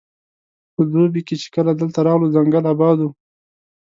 په دوبي کې چې کله دلته راغلو ځنګل اباد وو.